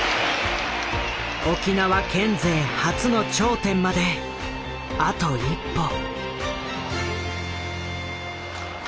沖縄県勢初の頂点まであと一歩。